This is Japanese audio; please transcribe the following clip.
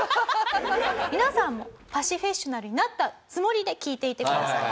皆さんもパシフェッショナルになったつもりで聞いていてください。